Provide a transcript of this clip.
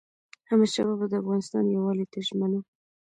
احمدشاه بابا د افغانستان یووالي ته ژمن و.